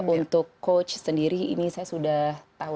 untuk coach sendiri ini saya sudah tahu